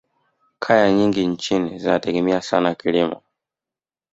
kaya nyingi nchini zinategemea sana kilimo